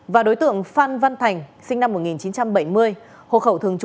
và đối tượng phan văn thành sinh năm một nghìn chín trăm bảy mươi